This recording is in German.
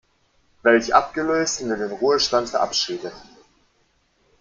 Welch abgelöst und in den Ruhestand verabschiedet.